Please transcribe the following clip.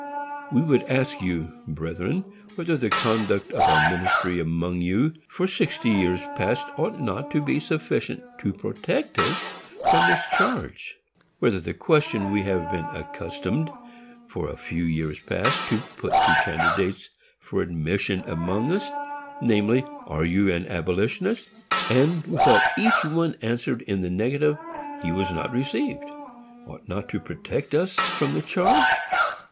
We would ask you, brethren, whether the conduct of our ministry among you for sixty years past ought not to be sufficient to protect us from this charge. Whether the question we have been accustomed, for a few years past, to put to candidates for admission among us, namely, Are you an abolitionist? and, without each one answered in the negative, he was not received, ought not to protect us from the charge.